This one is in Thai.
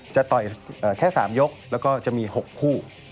จะต่อยแค่๓ยกแล้วก็จะมี๖คู่